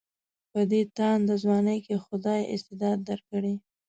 په دې تانده ځوانۍ کې خدای استعداد درکړی.